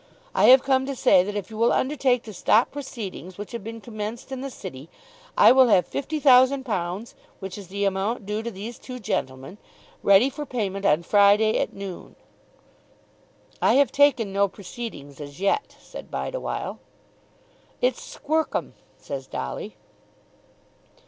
I have come to say that, if you will undertake to stop proceedings which have been commenced in the City, I will have fifty thousand pounds, which is the amount due to these two gentlemen, ready for payment on Friday at noon." "I have taken no proceedings as yet," said Bideawhile. "It's Squercum," says Dolly.